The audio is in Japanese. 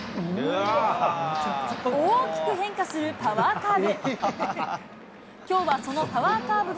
大きく変化するパワーカーブ。